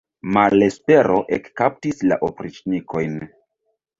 Malespero ekkaptis la opriĉnikojn.